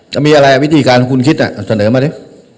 จะมีอะไรวิธีการของคุณคิดเสนอมาดิ